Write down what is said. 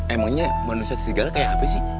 emangnya manusia serigala kayak apa sih